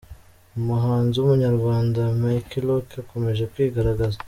Umuhanzi w’Umunyarwanda Mike Lookee akomeje kwigaragaza